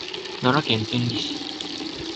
奈良県天理市